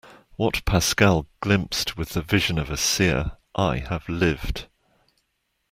What Pascal glimpsed with the vision of a seer, I have lived.